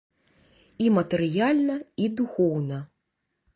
І матэрыяльна, і духоўна.